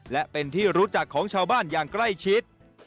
และเป็นที่รู้จักของชาวบ้านอย่างใกล้ชิด